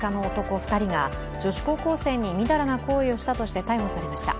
２人が女子高校生にみだらな行為をしたとして逮捕されました。